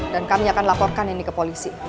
dan kami akan laporkan ini ke polisi